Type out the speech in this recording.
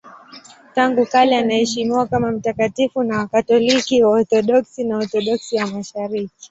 Tangu kale anaheshimiwa kama mtakatifu na Wakatoliki, Waorthodoksi na Waorthodoksi wa Mashariki.